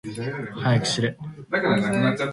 はやくしれ。